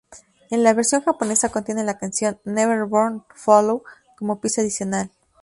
En la versión japonesa contiene la canción "Never Born to Follow" como pista adicional.